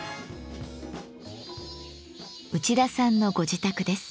内田さんのご自宅です。